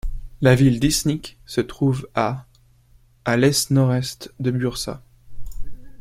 La ville d'İznik se trouve à à l'est-nord-est de Bursa.